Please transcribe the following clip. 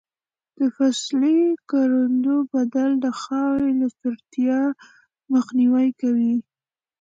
د فصلي کروندو بدلون د خاورې له ستړیا مخنیوی کوي.